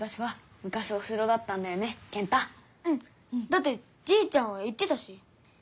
だってじいちゃんは言ってたし。